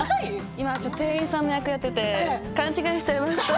今、店員さんの役をやっていて勘違いしちゃいました。